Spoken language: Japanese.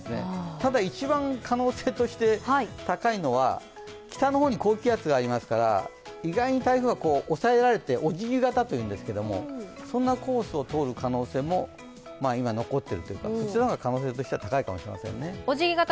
ただ一番可能性として高いのは、北の方に高気圧がありますから意外に台風が押さえられておじぎ型というんですけどそんなコースを通る可能性も残ってるそちらの方が可能性としては高いかもしれません。